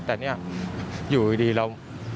แต่เนี่ยอยู่ดีเรา